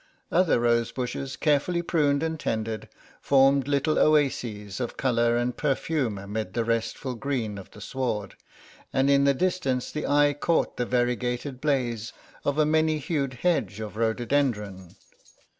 Other rose bushes, carefully pruned and tended, formed little oases of colour and perfume amid the restful green of the sward, and in the distance the eye caught the variegated blaze of a many hued hedge of rhododendron.